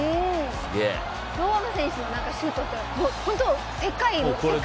堂安選手のシュートって本当世界。